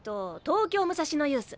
東京武蔵野ユース。